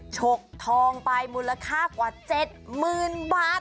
ฉกทองไปมูลค่ากว่า๗๐๐๐๐บาท